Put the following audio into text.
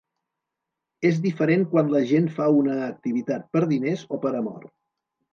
És diferent quan la gent fa una activitat per diners o per amor.